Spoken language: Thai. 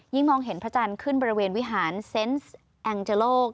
มองเห็นพระจันทร์ขึ้นบริเวณวิหารเซนต์แองเจโลก